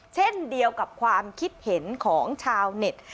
เช่นเดียวกับความคิดเห็นของชาวเน็ต